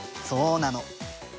そうなの！